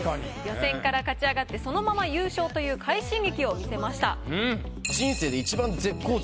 予選から勝ち上がってそのまま優勝という快進撃を見せました。